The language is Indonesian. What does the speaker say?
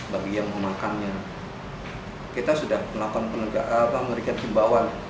bagi yang memakannya kita sudah melakukan penerjaan jimbawan